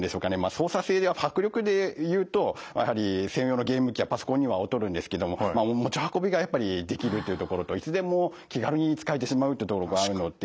操作性や迫力でいうとやはり専用のゲーム機やパソコンには劣るんですけども持ち運びがやっぱりできるというところといつでも気軽に使えてしまうっていうところがあるので。